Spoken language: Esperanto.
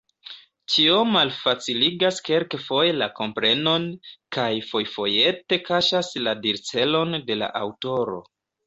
Tio malfaciligas kelkfoje la komprenon, kaj fojfojete kaŝas la dircelon de la aŭtoro.